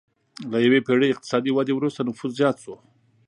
له یوې پېړۍ اقتصادي ودې وروسته نفوس زیات شو.